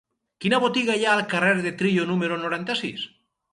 Quina botiga hi ha al carrer de Trillo número noranta-sis?